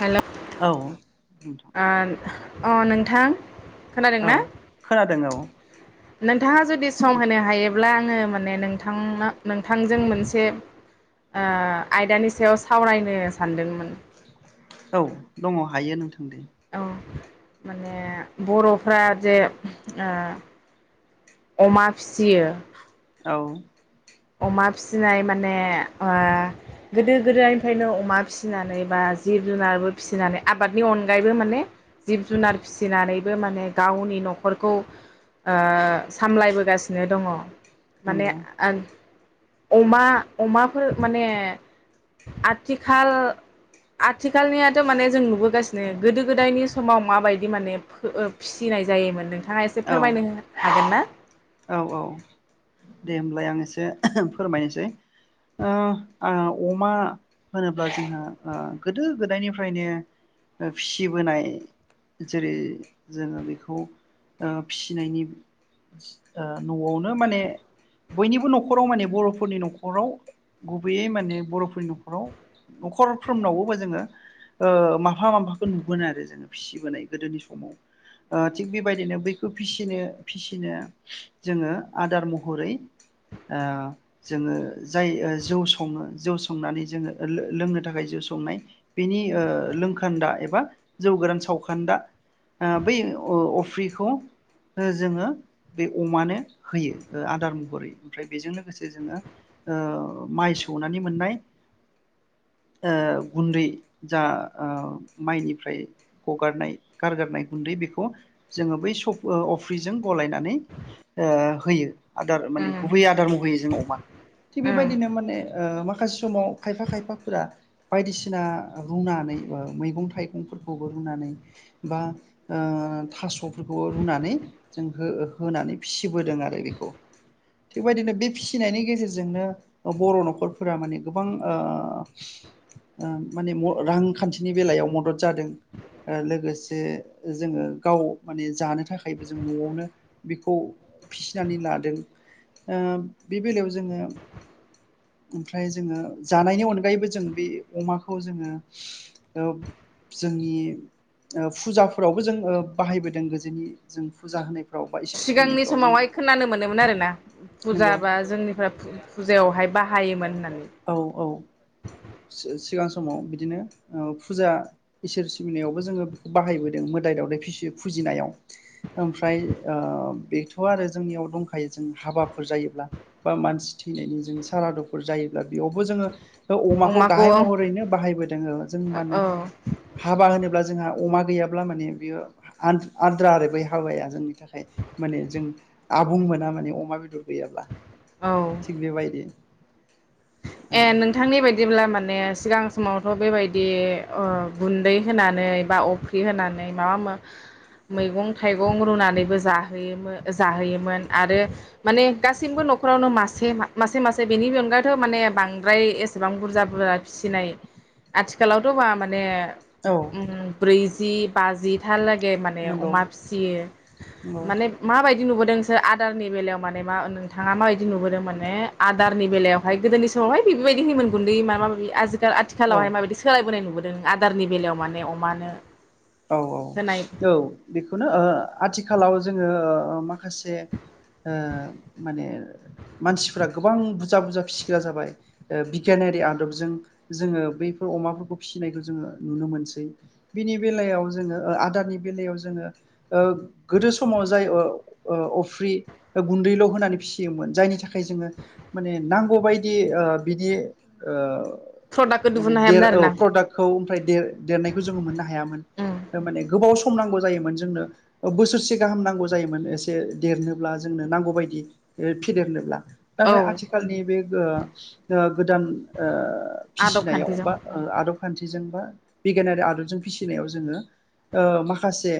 हेल' औ नोंथां आ अ नोंथां खोनादोंना औ खोनादों औ नोंथाङा जुदि सम होनो हायो अब्ला आङो माने नोंथांनो नोंथांजों मोनसे ओ आयदानि सायाव सावरायनो सानदोंमोन। औ दङ हायो नोंथां दे औ माने बर'फ्रा जे ओ अमा फिसियो औ अमा फिसिनाय माने ओ गोदो गोदायनिफ्रायनो अमा फिसिनानै बा जिब जुनारबो फिसिनानै आबादनि अनगायैबो माने जिब जुनार फिसिनानैबो माने गावनि न'खरखौ ओ सामलायबोगासिनो दङ माने नंगौ आं अमा अमाफोर माने आथिखाल आथिखालनि माने जों नुबोगासिनो गोदो गोदायनि समाव माबायदि माने ओ फि सिनाय जायोमोन नोंथाङा एसे औ फोरमायनो हागोन ना? औ औ दे होमबाय आं एसे फोरमायनोसै ओ आ अमा होनोब्ला जोंहा आ गोदो गोदायनिफ्रायनो फिसिबोनाय जेरै जोङो बेखौ ओ फिसिनायनि ओ न'वावनो माने बयनिबो न'खराव माने बर'फोरनि न'खराव गुबैयै माने बर'फोरनि न'खराव न'खरफ्रोमनावबो जोङो ओ माफा माफाखौ नुगोन आरो जों फिसिबोनाय गोदोनि समाव ओ थिग बेबायदिनो बैखौ फिसिनो फिसिनो जोङो आदार महरै ओ जोङो जाय ओ जौ सङो जौ संनानै जोङो लोंनो थाखाय जौ संनाय बेनि ओ लोंखान्दा एबा जौ गोरान सावखोन्दा बै अफ्रिखौ ओ जोङो बे अमानो होयो ओ आदार महरै ओमफ्राय बेजों लोगोसे जोङो ओ माइ सौनानै मोननाय ओ गुन्दै जा ओ माइनिफ्राय हगारनाय गारगारनाय गुन्दै बेखौ जोङो बै स ओ अफ्रिजों गलायनानै ओ होयो आदार माने उम गुबै आदार महरै जों अमा थिग उम बेबायदिनो माने ओ माखासे समाव खायफा खायफाफोरा बायदिसिना रुनानै ओ मैगं थाइगंफोरखौबो रुनानै बा ओ थास'फोरखौबो रुनानै जों हो होनानै फिसिबोदों आरो बेखौ थिगबायदिनो बे फिसिनायनि गेजेरजोंनो ओ बर' न'खरफोरा माने गोबां ओ ओ माने रांखान्थिनि बेलायाव मदद जादों ओ लोगोसे जोङो गाव माने जानो थाखायबो जों न'वावनो ओ बे बेलायाव जोङो ओमफ्राय जोङो जानायनि अनगायैबो जों बे अमाखौ जोङो ओ जोंनि ओ फुजाफोरावबो जों ओ बाहायबोदों गोजोननि जों फुजा होनाय सिगांनि समावहाय खोनानो मोनोमोन आरोना फुजा नंगौ बा जोंनिफ्रा फुजायावहाय बा हायोमोन होनना औ औ [unintelligible] सिगां समाव बिदिनो ओ फुजा इसोर सिबिनायावबो जोङो बेखौ बाहायबोदों मोदाय दावदाय फिसियो फुजिनायाव ओमफ्राय ओ बेथ' आरो जोंनियाव दंखायो जों हाबाफोर जायोब्ला बा मानसि थैनायनि जों सारादुफोर जायो ब्ला बेयावबो जोङो अमाखौ गाहाइ महरैनो बाहायबोदों ओ जों माने औ हाबा होनो ब्ला जोंहा अमा गैयाब्ला माने बियो आ-आद्रा आरो बै हाबाया जोंनि थाखाय माने जों आबुं मोना माने अमा बेदर गैयाब्ला औ थिग बे बायदि ए नोंथांनि बाय दिब्ला माने सिगां समावथ' बेबायदि अ गुन्दै होनानै बा अफ्रि होनानै माबा मा मैगं थाइगं रुनानैबो जाहोयोमो ओ जाहोयोमोन आरो माने गासिनिबो नखरावनो मासे मासे मासे बेनि अनगायैथ' माने बांद्राय एसेबां बुरजा बुरजा फिसिनाय आथिखालावथ' बा माने औ उम ब्रैज जि बाजिथा ला गै माने नंगौ अमा फिसियो नंगौ माने मा बाय दि नुबोदों नोंसोर आदारनि बेलायाव माने मा नोंथाङा माबायदि नुबोदों माने आदारनि बेलायावहाय गोदोनि स समावहाय बेफोरबायदि होयोमोन गुन्दै मा माबि आजि औ आथिखालावहाय माबायदि सोलायबोनाय नुबोदों नों आदारनि बेलायाव माने अमानो औ औ होनाय औ बेखौनो ओ आथि खालाव जोङो ओ माखासे ओ माने मानसिफ्रा गोबां बुजा बुजा फिसिग्रा जाबाय ओ बिगियानारि आदबजों जोङो बैफोर अमाफोरखौ फिसिनायखौ जोङो नुनो मोनसै बिनि बेलायाव जोङो ओ आदारनि बेलायाव जोङो ओ गोदो समाव जाय ओ ओ अफ्रि ओ गुन्दैल' होनानै फिसियोमोन जायनि थाखाय जोङो माने नांगौ बायदि ओ बिदि ओ प्रडाक्टखौ माने दिहुननो देर हायामोन औ आरोना प्रडाक्टखौ ओमफ्राय देर-देरनायखौ जोङो मोननो हायामोन। उम माने गोबाव सम नांगौ जायोमोन जोंनो ओ बोसोरसे गाहाम नांगौ जायोमोन एसे देरनोब्ला जोंनो नांगौ बायदि ओ फेदेरनोब्ला औ नाथाय आथिखालनि बे गो ओ गोदान ओ आदब फिसिनायाव खान्थिजों बा ओ आदब खान्थिजों बा बिगियानारि आदबजों फिसि फिसिनायाव जोङो ओ माखासे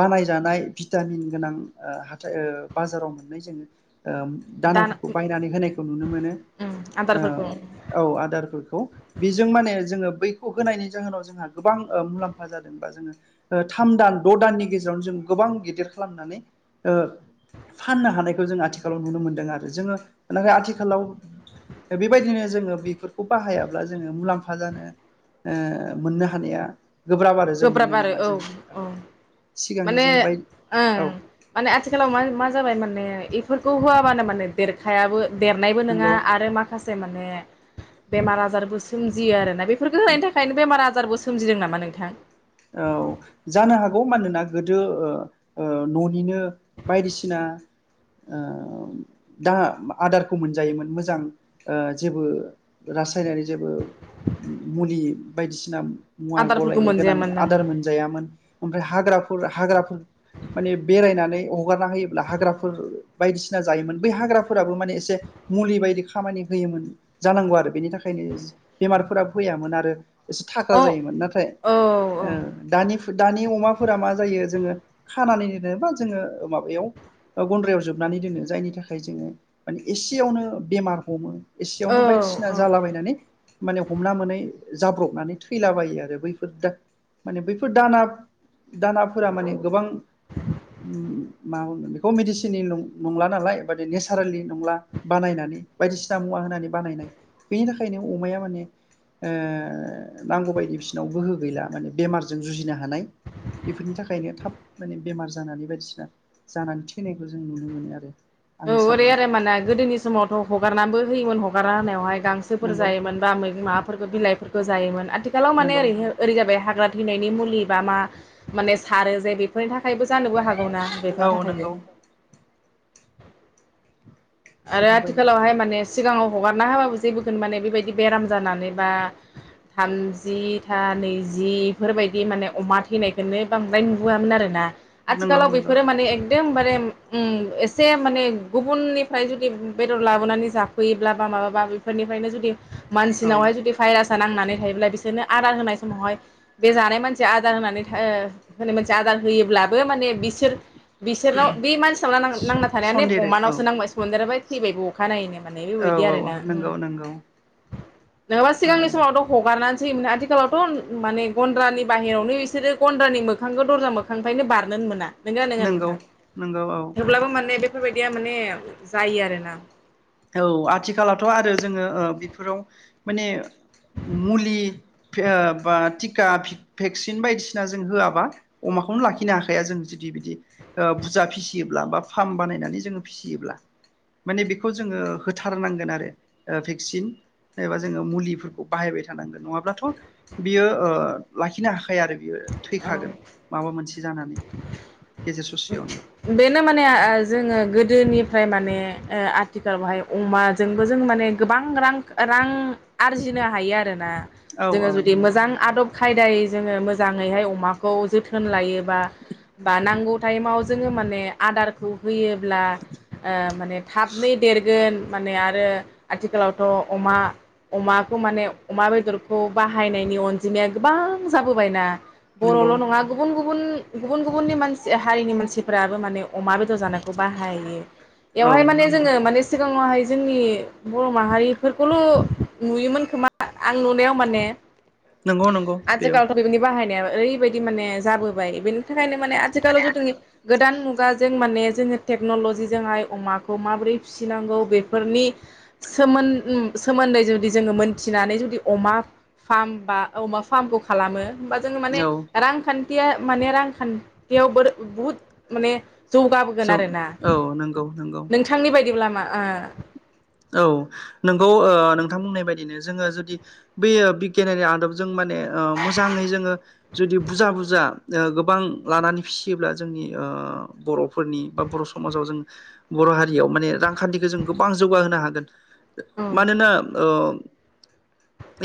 बानायजानाय भिटामिन गोनां ओ हाथाइ ओ बाजाराव मोननाय जोङो ओम दाना दानाफोरखौ बायनानै होनायखौ नुनो मोनो उम आदारफोरखौ ओ औ आदारफोरखौ बेजों माने जोङो बैखौ होनायनि जाहोनाव जोंहा गोबां ओ मुलाम फा जादों बा जोङो थाम दान द' दाननि गेजेरावनो जों गोबां गिदिर खालामनानै ओ फाननो हानायखौ जों आथिखालाव नुनो मोनदों आरो जोङो नाथाय आथिखालाव ओ बेबायदिनो जोङो बेफोरखौ बाहायाब्ला जोङो मुलाम्फा जानो ओ मोननो हानाया गोब्राब आरो जों गोब्राब मोननाय आरो नङा औ जों औ सिगांनि माने जों बाय ओ औ माने आथिखालाव मा मा जाबाय माने बेफोरखौ होआबानो माने देरखायाबो देरनायबो नङा नंगौ आरो माखासे बे माने बेमार आजारबो सोमजियो आरोना बे बेफोरखौ होनायनि थाखायनो बेमार आजार आजारबो सोमजिदों नामा नोंथां औ जानो हागौ मानोना गोदो ओ ओ ननिनो बायदिसिना ओ दा आदारखौ मोनजायोमोन मोजां ओ जेबो रासायनारि जेबो मुलि बायदिसिना मुवा आदारफोरखौ गलायनाय गोनां मोनजायामोन आदार मोनजायामोन ओमफ्राय हाग्राफोर हाग्राफोर माने बेरायनानै हगारना होयोब्ला हाग्राफोर बायदिसिना जायोमोन बै हाग्राफोराबो माने एसे मुलि बायदि खामानि होयोमोन जानांगौ आरो बेनि थाखायनो बेमारफोरा फैयामोन आरो एसे थाग्रा औ जायोमोन नाथाय औ ओ दानि दानि अमाफोरा मा जायो जोङो खानानैनो बा जोङो माबायाव गनद्रायाव जोबनानै दोनो जायनि थाखाय जोङो माने एसेयावनो बेमार हमो। औ एसेयावनो बायदिसिना औ जालाबायनानै माने हमना मोनै जाब्रबनानै थैलाबायो आरो बैफोर दा माने बैफोर दाना दानाफोरा माने गोबां उम मा [unintelligible] खौ मिडिसिननि नं नंला नालाय बादि नेसारेलि नंला बानायनानै बायदिसि मुवा होननानै बानायनाय बेनि थाखायनो अमाया माने ओ नांगौ बायदि बिसिनाव गोहो गैला। माने बेमारजों जुजिनो हानाय बेफोरनि थाखायनो थाब माने बेमार जानानै बायदिसिना जानानै थैनायखौ जों नुनो मोनो आरो। औ आंनि ओरै साननायाव आरो मानना गोदोनि समावथ' हगारनाबो होयोमोन हगारा होननायावहाय गांसोफोर नंगौ जायोमोन बा मै माबाफोरखो बिलाइफोर बो जायोमोन आथ थिखालाव माने नंगौ ओहो ओरोय जाबाय हा ग्रा थैनायनि मुलि बा मा माने सारो जे बे फोरनि थाखायबो जानोबो हागौनाा औ बेफोरनि थाखायबो। नंगौ आरो बेफोरबायदि आथिखालावहाय माने सिगाङाव हगारना होबाबो जेबोखौनो माने बेबायदि बेराम जानानै बा थामजि था नैजि बेफोरबायदि माने अमा थैनायखोननो बांद्राय नुबोयामोन आरो ना नंगौ आथिखालाव नंगौ बेफोरो माने एकदमबा रेम उम एसे माने गुबुननि फ्राय जुदि बेदर लाबोनानै जाफैयोब्ला बा माबाबा बेफोरनिफ्रायनो जुदि औ मानसिनावहाय जुदि भाइरास सा नांनानै थायोब्ला बिसोरनो आदार होनाय समावहाय बे जानाय मानसिया आदार होनानै ओ होनाय मानसि आदार होयोब्लाबो माने बिसोर बिसोरनाव बे मानसिनाव नाना नांना थानायानो सन्देरो औ अमानावसो नांबाय। [unintelligible] थैबायबो अखानायैनो। माने औ बेबायदि आरो औ ना उम नंगौ नंगौ नोङाबा औ सिगांनि समावथ' हगारनानस- जिमोन आथिखालावथ' माने गन्द्रानि बाहेरावनो बिसोरो गन्द्रानि मोखांखौ दरजा मोखांनिफ्रायनो बारनोनो मोना नोंगो नोंगो नंगौ नोंथां नंगौ औ थेवब्लाबो माने बे फोरबायदिया माने जायो आरोना। औ आथिखालाथ' आरो जोङो ओ बेफोराव माने मुलि बा टिका भेक्सिन बायदिसिना जों होआबा अमाखौनो लाखिनो हाखाया जों जुदि बिदि बुरजा फिसियोब्ला बा फार्म बानायनानै जोङो फिसियोब्ला माने बे खौ जोङो होथारनांगोन आरो भेक्सिन एबा जोङो मुलिफोरखौ बाहायबाय थानांगोन नङाब्लाथ' बियो ओ लाखिनो हाखाया आरो बियो। थैखागोन औ माबा मोनसे जानानै गेजेर ससेयावनो बेनो माने जोङो गोदोनिफ्राय माने आथिखालावहाय अमाजोंबो जों माने गोबां रां रां आरजिनो हायो आरो। औ जोङो औ जुदि नंगौ मोजां आदब खायदायै जोङो मोजाङैहाय अमाखौ जोथोन लायो। बा नांगौ। ताइमाव जोङो माने आदारखौ होयोब्ला माने थाबनो देरगोन। माने आरो आथिखालावथ' अमा अमाखौ माने अमा बेदरखौ बाहायनायनि अनजिमाया गोबां जाबोबायना। नंगौ बर'ल' नङा गुबुन गुबुन गुबुन गुबुन गुबुननि मानसि हारिनि मानसि फोराबो माने अमा बेदर जानायखौ बाहायो औ बेवहाय माने नंगौ जोङो माने सिगाङावहाय जोंनि बर' माहारिफोरखौल' नुयोमोन खोमा आं नुनायाव माने नंगौ नंगौ बेयो आजिखाालथ' [unintelligible] बाहायनाया ओरैबायदि माने जाबोबाय बेनि थाखाय माने आथिखालाव जिखुनु गोदान मुगाजों माने जोङो टेक्नलजिजोंहाय अमाखौ माबोरै फिसिनांगौ बेफोरनि सोमोन सोमोन्दै जुदि जोङो मोनथिनानै जुदि अमा फार्म बा अमा फार्मखौ खालामो। होनबा जोङो माने औ रांखान्थि माने रांखान्थियाव बो बहुद माने जौगाबोगोन जों आरोना औ नंगौ नंगौ नोंथांनि बायदिब्ला आआ औ नोंगौ ओ नोंथां बुंनाय बायदिनो जोङो जुदि बै बिगियानारि आदबजों मोन माने ओ मोजाङै जोङो जुदि बुजा बुजा ओ गोबां लानानै फिसियोब्ला जोंनि ओ बर'फोरनि बा बर' समाजाव जों बर' हारियाव माने रांखानथिखौ जों गोबां जौगाहोनो हागोन ओ मानोना ओ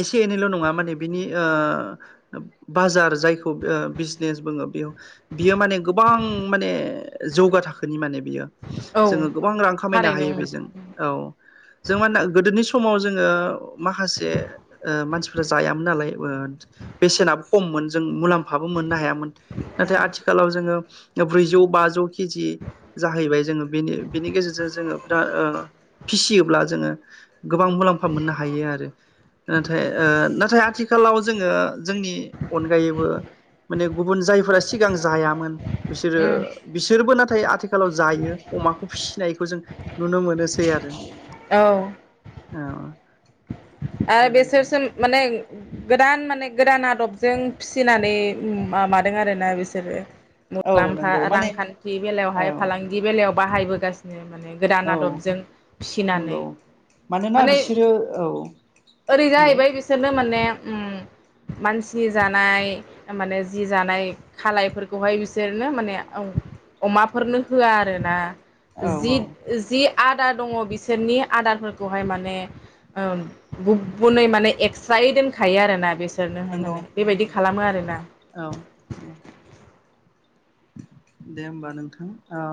एसे एनैल' नङा माने बिनि ओ बाजार जायखौ ओ बिजनेस बुङो बेव बियो माने गोबां माने जौगा थाखोनि माने बियो औ जोङो गोबां रां खामायनो थारैनो हायो उम बेजों। जों [unintelligible] गोदोनि समाव जोङो माखासे ओ मानसिफ्रा जायामोन नालाय बेसेनाबो खममोन जों मुलामफ हाबो मोननो हायामोन नाथाय आथिखालाव जोङो ब्रैजौ बाजौ केजि जाहैबाय जोङो बेनि बेनि गेजेरजों जोङो बिराद फिसियोब्ला जोङो गोबां मुलाम्फा मोननो हायो आरो नाथाय नाथाय आथिखालाव जोङो जोंनि अनगायैबो माने गुबुन जायफोरा सिगां जायामोन बिसोरो उम बिसोरबो नाथाय आथिखालाव जायो अमाखौ फिसिनायखौ जों नुनो मोनो। ए आरो औ औ ओ बेबायदि बेसोरसो माने गोदान माने गोदान आदबजों फिसिनानै माबादों आरोना बिसोरो। औ मुलामफा नंगौ माने रांखानथि औ बेलायावहाय फालांगि बेलायाव बाहायबोगासिनो माने गोदान औ आदबजों फिसिनानै नंगौ मानोना माने बिसोरो औ ओरै बुंलाय जाहैबाय बिसोरनो [unintelligible] ओम मानसि जानाय माने जि जानाय खालायफोरखौहाय बिसोरनो माने अमाफोरनो होआ आरो ना। औ औ जिद जि आठ आदार दङ बिसोरनि आदारफोरखौहाय माने ओम गुबुनै माने एक्सत्रायै दोनखायो आरोना बेसो [unintelligible] हाय नंगौ माने बेबायदि खालामो आरोना। औ दे होमबा नोंथां अ